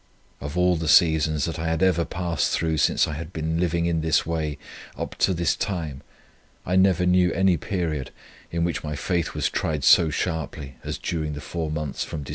Of all the seasons that I had ever passed through since I had been living in this way, up to that time, I never knew any period in which my faith was tried so sharply, as during the four months from Dec.